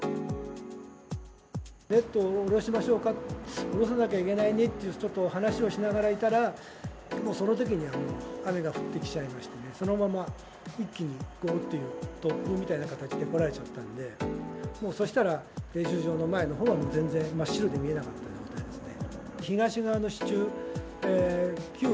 ネット下ろしましょうか、下ろさないといけないねっていうちょっと話をしながらいたら、もうそのときには雨が降ってきちゃいましてね、そのまま一気に、ごーっていう、突風みたいな形でこられちゃったんで、そしたら練習場の前のほうは、真っ白で全然見えなかった状態ですね。